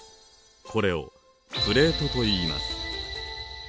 これをプレートといいます。